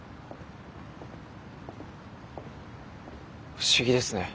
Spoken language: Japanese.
不思議ですね。